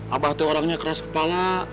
abah itu orangnya keras kepala